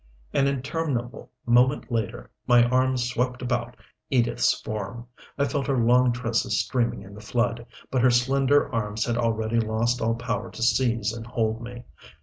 An interminable moment later my arms swept about Edith's form. I felt her long tresses streaming in the flood, but her slender arms had already lost all power to seize and hold me.